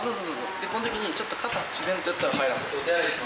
でこの時にちょっと肩自然とやったら入らん？